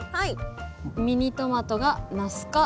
ミニトマトがナス科。